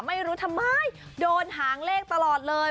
ไม่รู้ทำไมโดนหางเลขตลอดเลย